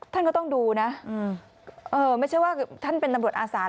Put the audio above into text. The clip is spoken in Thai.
ท่านก็ต้องดูนะไม่ใช่ว่าท่านเป็นตำรวจอาสาน